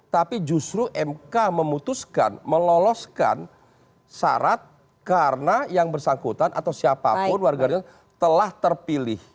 tapi justru mk memutuskan meloloskan syarat karena yang bersangkutan atau siapapun warga negara telah terpilih